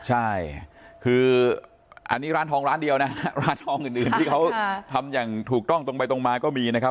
ใช่คืออันนี้ร้านทองร้านเดียวนะฮะร้านทองอื่นที่เขาทำอย่างถูกต้องตรงไปตรงมาก็มีนะครับ